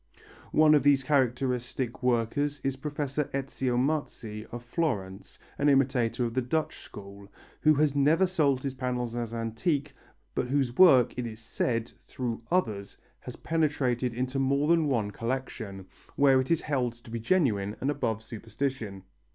One of these characteristic workers is Professor Ezio Marzi of Florence, an imitator of the Dutch school, who has never sold his panels as antique, but whose work, it is said, through others, has penetrated into more than one collection, where it is held to be genuine and above suspicion.